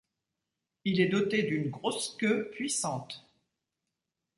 Il est doté d'une grosse queue puissante.